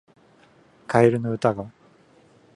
カエルの歌が